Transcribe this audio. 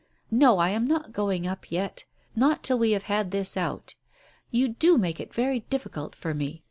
"No, I am not going up yet, not till we have had this out. You do make it very difficult for me.